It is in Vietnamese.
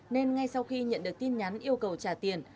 nên ngay sau khi nhận được tin nhắn yêu cầu trả tiền